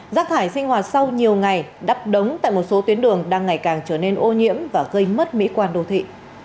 rác thải sinh hoạt sau nhiều ngày đắp đống tại một số tuyến đường đang ngày càng trở nên ô nhiễm và gây mất mỹ quan đô thị